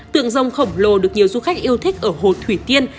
tượng dòng khổng lồ được nhiều du khách yêu thích ở hồ thủy tiên